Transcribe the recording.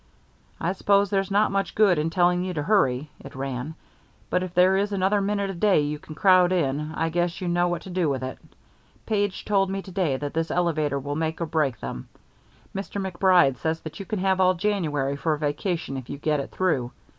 "I suppose there's not much good in telling you to hurry," it ran; "but if there is another minute a day you can crowd in, I guess you know what to do with it. Page told me to day that this elevator will make or break them. Mr. MacBride says that you can have all January for a vacation if you get it through.